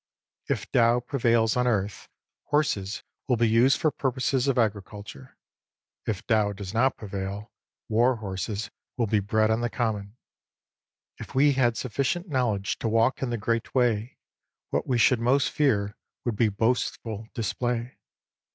If Tao prevails on earth, horses will be used for purposes of agriculture. If Tao does not prevail, war horses will be bred on the common. If we had sufficient knowledge to walk in the Great Way, what we should most fear would be boastful display.